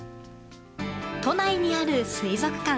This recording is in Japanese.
都内にある水族館。